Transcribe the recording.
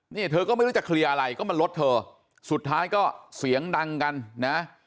นี่เธอก็ไม่รู้จะเคลียร์อะไรก็มาลดเธอสุดท้ายก็เสียงดังกันนะ